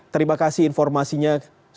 terima kasih informasinya